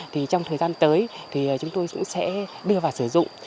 trong thời gian tới chúng tôi cũng sẽ đưa vào sử dụng